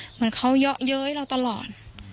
เหมือนเขาเยอะเย้ยเราตลอด